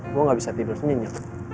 gue gak bisa tidur senyap